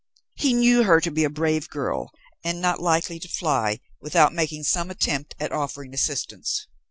He knew her to be a brave girl and not likely to fly without making some attempt at offering assistance.